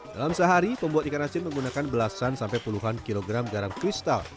dalam sehari pembuat ikan asin menggunakan belasan sampai puluhan kilogram garam kristal